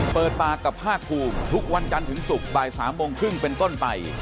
เปิดปากกับภาคภูมิทุกวันจันทร์ถึงศุกร์บ่าย๓โมงครึ่งเป็นต้นไป